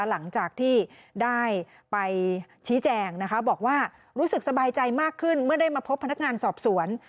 หลังจากที่ได้ไปชี้แจงนะคะบอกว่ารู้สึกสบายใจมากขึ้นเมื่อได้มาพบพนักงานสอบสวน